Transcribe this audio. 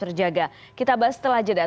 terjaga kita bahas setelah aja dah